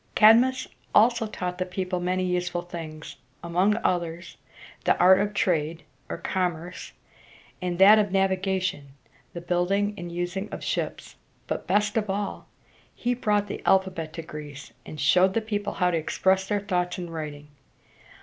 Cadmus also taught the people many useful things, among others the art of trade (or commerce) and that of navigation (the building and using of ships); but, best of all, he brought the alphabet to Greece, and showed the people how to express their thoughts in writing.